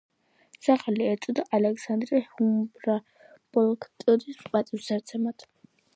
სახელი ეწოდა ალექსანდერ ჰუმბოლდტის პატივსაცემად.